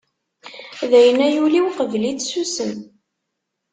Dayen a yul qbel-itt sussem.